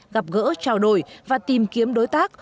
gặp gỡ trao đổi và tìm kiếm đối tác